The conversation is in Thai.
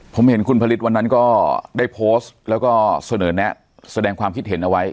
ผมเห็นคุณผลิตวันนั้นก็ได้โพสต์แล้วก็เสนอแนะแสดงความคิดเห็นเอาไว้